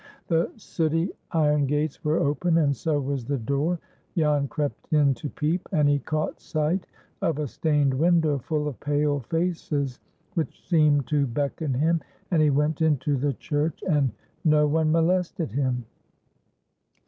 The sooty iron gates were open, and so was the door. Jan crept in to peep, and he caught sight of a stained window full of pale faces, which seemed to beckon him, and he went into the church and no one molested him.